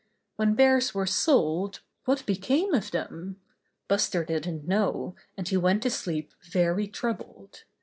When bears were sold, what became of them? Buster didn't know, and he went to sleep very troubled.